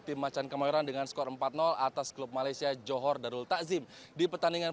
tim macan kemayoran dengan skor empat atas klub malaysia johor darul takzim di pertandingan